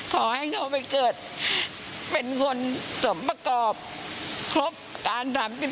ขอให้เขาไปเกิดเป็นคนสมประกอบครบการ๓๐